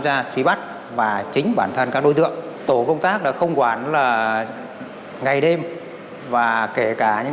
ra truy bắt và chính bản thân các đối tượng tổ công tác đã không quản là ngày đêm và kể cả những